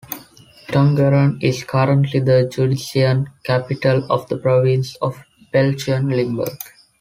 Tongeren is currently the judicial capital of the province of Belgian Limburg.